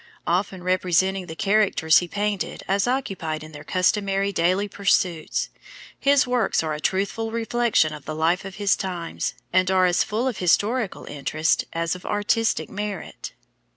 Often representing the characters he painted as occupied in their customary daily pursuits, his works are a truthful reflection of the life of his times, and are as full of historical interest as of artistic merit.